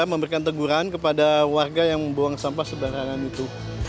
memberikan teguran kepada warga yang membuang sampah sembarangan itu